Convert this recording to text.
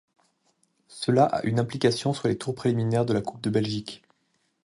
Cela à une implication sur les tours préliminaires de la Coupe de Belgique.